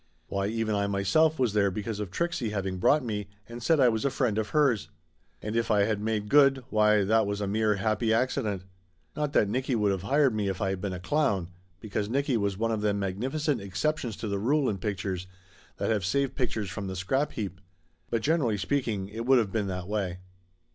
Why even I myself was there because of Trixie having brought me and said I was a friend of hers. And if I had made good, why that was a mere happy accident. Not that Nicky would of hired me if I had been a clown, because Nicky was one of them magnificent exceptions to the rule in pic tures that have saved pictures from the scrap heap. But generally speaking it would of been that way.